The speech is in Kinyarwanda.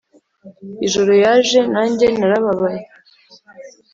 ijoro yaje. nanjye narababaye,